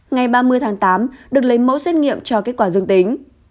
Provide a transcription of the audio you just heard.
ngày ba mươi tháng tám được lấy mẫu xét nghiệm cho kết quả dương tính